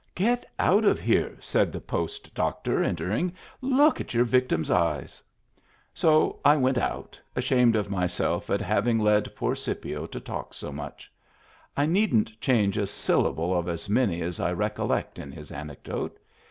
" Get out of here !" said the post doctor, enter ing. " Look at your victim's eyes !" Digitized by Google 233 MEMBERS OF THE FAMILY So I went out, ashamed of myself at having led poor Scipio to talk so much. I needn't change a syllable of as many as I recollect in his anecdote.